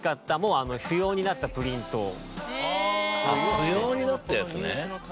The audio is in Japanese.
不要になったやつね。